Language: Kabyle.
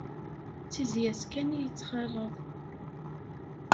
D tizzya-s kan i yettxalaḍ.